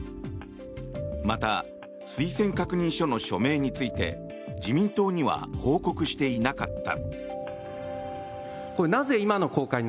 また、推薦確認書の署名について自民党には報告していなかった。